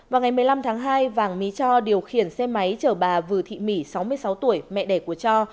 vào ngày một mươi năm tháng hai vàng mỹ cho điều khiển xe máy chở bà vừa thị mỹ sáu mươi sáu tuổi mẹ đẻ của cho